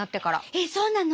えっそうなの？